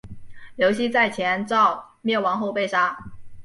刘熙在前赵灭亡后被杀。